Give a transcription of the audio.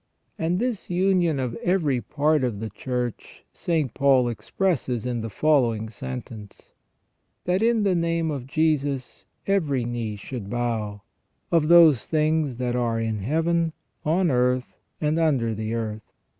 And this union of every part of the Church St. Paul expresses in the following sentence: "That in the name of Jesus every knee should bow, of those things that are in Heaven, on earth, and under the earth.